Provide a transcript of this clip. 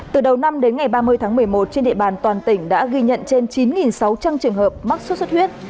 từ đầu năm đến ngày ba mươi tháng một mươi một trên địa bàn toàn tỉnh đã ghi nhận trên chín sáu trăm linh trường hợp mắc sốt xuất huyết